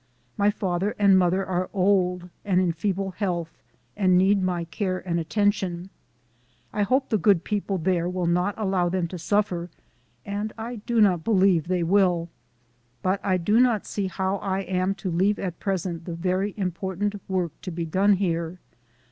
My father and mother are old and in feeble health, and need my care and atten tion. I hope the good people there will not allow them to suffer, and I do not believe they will. But I do not see how I am to leave at present the very im portant work to be done here.